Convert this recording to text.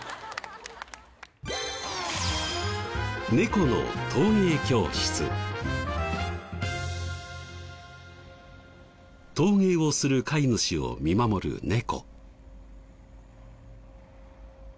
この猫ちゃん陶芸をする飼い主を見守る猫。